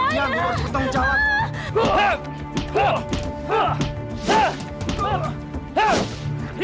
ibu bertanggung jawab